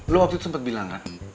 lo waktu itu sempat bilang kan